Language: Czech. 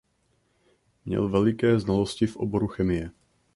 Měl veliké znalosti v oboru chemie.